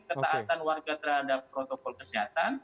ketaatan warga terhadap protokol kesehatan